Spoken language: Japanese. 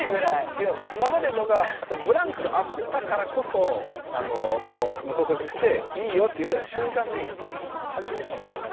今までのがブランクがあったからこそ告白して「いいよ」って言われた瞬間にはじけてしまったんですよ